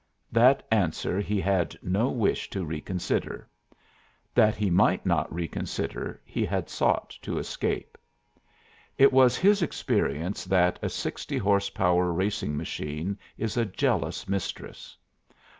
That answer he had no wish to reconsider. That he might not reconsider he had sought to escape. It was his experience that a sixty horse power racing machine is a jealous mistress.